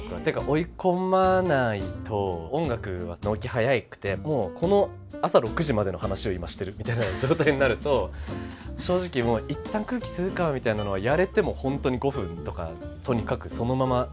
追い込まないと音楽は納期早くてもうこの朝６時までの話を今してるみたいな状態になると正直もういったん空気を吸うかみたいなのはやれてもほんとに５分とかとにかくそのまま